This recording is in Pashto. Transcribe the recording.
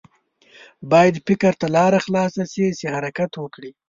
باید فکر ته لاره خلاصه شي چې حرکت وکړي.